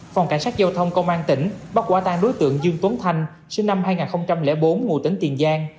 phòng cảnh sát giao thông công an tỉnh bắt quả tang đối tượng dương tuấn thanh sinh năm hai nghìn bốn ngụ tính tiền giang